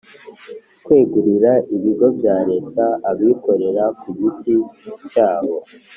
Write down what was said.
kwegurira ibigo bya leta abikorera ku giti cyabo.